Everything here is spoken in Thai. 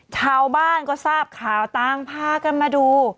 ชาวบ้านก็ทราบข่าวต่างพากันมาดู